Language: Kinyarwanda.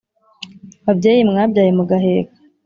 babyeyi mwabyaye mugaheka